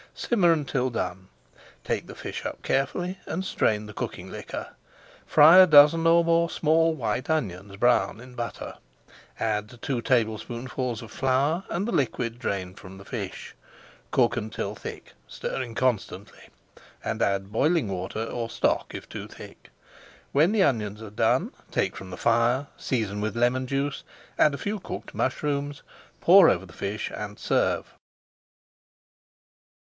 Simmer until done. Take the fish up carefully and strain the [Page 473] cooking liquor. Fry a dozen or more small white onions brown in butter. Add two tablespoonfuls of flour and the liquid drained from the fish. Cook until thick, stirring constantly, and add boiling water or stock, if too thick. When the onions are done, take from the fire, season with lemon juice, add a few cooked mushrooms, pour over the fish, and serve.